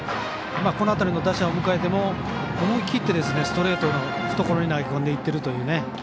この辺りの打者を迎えても思い切ってストレートを懐に投げ込んでいっているというね。